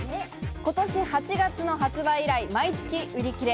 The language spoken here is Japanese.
今年８月の発売以来、毎月売り切れ。